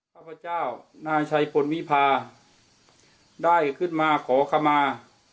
พระเจ้านาชัยปนวิพาได้ขึ้นมาขอขมา